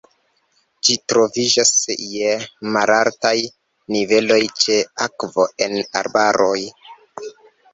Ĝi troviĝas je malaltaj niveloj ĉe akvo en arbaroj.